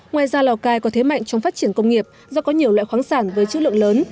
ngoài ra lào cai có thế mạnh trong phát triển công nghiệp do có nhiều loại khoáng sản với chữ lượng lớn